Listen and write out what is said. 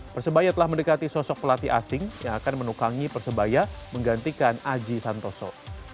persebaya telah mendekati sosok pelatih asing yang akan menukangi persebaya menggantikan aji santoso